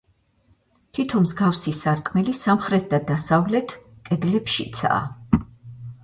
თითო მსგავსი სარკმელი სამხრეთ და დასავლეთ კედლებშიცაა.